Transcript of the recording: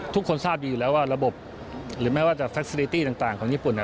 ทุกคนทราบดีอยู่แล้วว่าระบบหรือไม่ว่าจะแท็กซิลิตี้ต่างของญี่ปุ่น